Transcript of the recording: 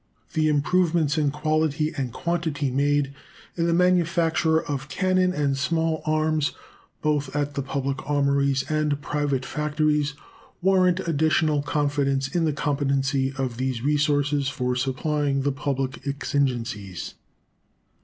The improvements in quality and quantity made in the manufacture of cannon and small arms, both at the public armories and private factories, warrant additional confidence in the competency of these resources for supplying the public exigencies.